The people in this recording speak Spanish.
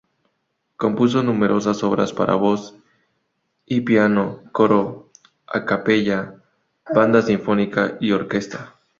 Compuso numerosas obras para voz y piano, coro a capella, banda sinfónica y orquesta.